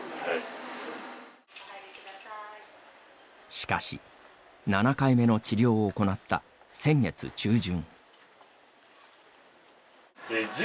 しかし、７回目の治療を行った先月中旬。